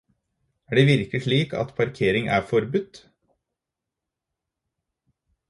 Er det virkelig slik at parkering er for Budt?